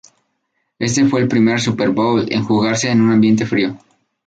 Este fue el primer Super Bowl en jugarse en un ambiente frío.